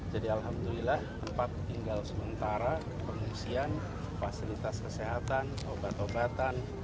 jadi alhamdulillah tempat tinggal sementara pengungsian fasilitas kesehatan obat obatan